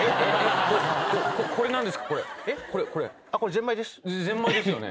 ぜんまいですよね？